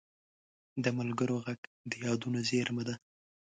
د ملګرو غږ د یادونو زېرمه ده